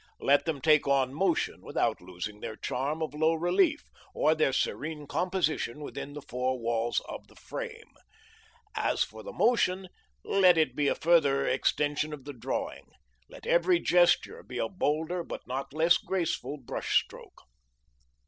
Let them take on motion without losing their charm of low relief, or their serene composition within the four walls of the frame. As for the motion, let it be a further extension of the drawing. Let every gesture be a bolder but not less graceful brush stroke.